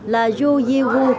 là yu yi wu